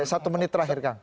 satu menit terakhir kang